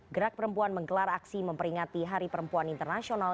gerak perempuan menggelar aksi memperingati hari perempuan internasional